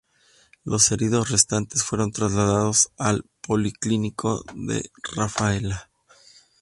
Los heridos restantes fueron trasladados al policlínico de Rafaela.